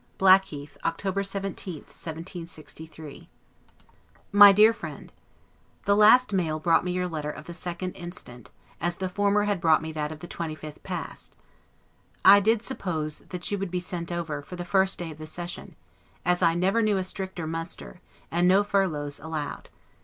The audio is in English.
God bless you. LETTER CCLXI BLACKHEATH, October 17, 1763 MY DEAR FRIEND: The last mail brought me your letter of the 2d instant, as the former had brought me that of the 25th past. I did suppose that you would be sent over, for the first day of the session; as I never knew a stricter muster, and no furloughs allowed.